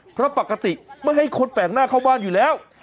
เพราะปกติไม่ให้คนแปลกหน้าเข้าบ้านอยู่แล้ว